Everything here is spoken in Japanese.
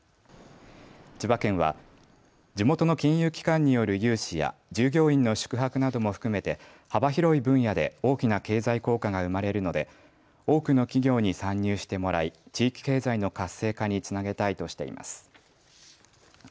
千葉県は地元の金融機関による融資や従業員の宿泊なども含めて幅広い分野で大きな経済効果が生まれるので、多くの企業に参入してもらい地域経済の活性化につなげたいとしています。